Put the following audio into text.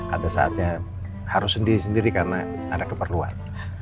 ada saatnya harus sendiri sendiri karena ada keperluan